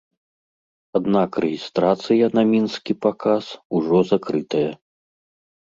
Аднак рэгістрацыя на мінскі паказ ужо закрытая.